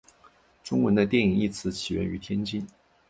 中文的电影一词起源于天津。